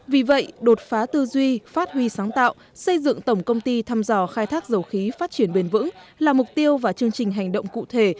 vì vậy đột phá tư duy phát huy sáng tạo xây dựng tổng công ty thăm dò khai thác dầu khí phát triển bền vững là mục tiêu và chương trình hành động cụ thể